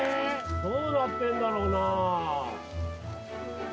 どうなってるんだろうな。